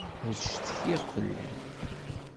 Ad ccetkiɣ fell-am.